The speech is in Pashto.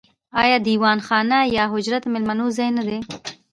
آیا دیوان خانه یا حجره د میلمنو ځای نه دی؟